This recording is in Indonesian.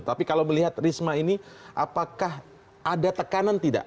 tapi kalau melihat risma ini apakah ada tekanan tidak